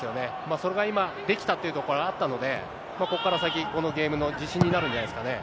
それが今、できたってところあったので、ここから先、このゲームの自信になるんじゃないですかね。